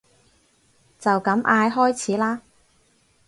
就咁嗌開始啦